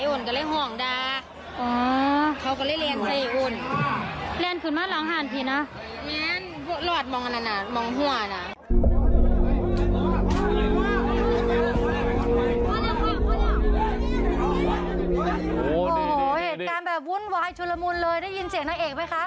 โอ้โหเหตุการณ์แบบวุ่นวายชุลมุนเลยได้ยินเสียงนางเอกไหมคะ